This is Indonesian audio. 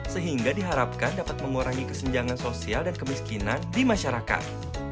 sehingga diharapkan dapat mengurangi kesenjangan sosial dan kemiskinan di masyarakat